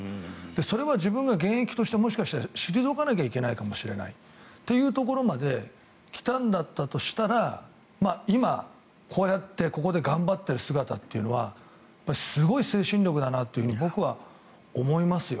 それは自分が現役として退かなきゃいけないというところまで来たんだったとしたら今、こうやってここで頑張っている姿というのはすごい精神力だなと僕は思いますよ。